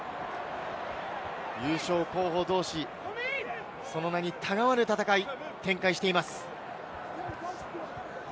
優勝候補同士、その名にたがわぬ戦いを展開しています。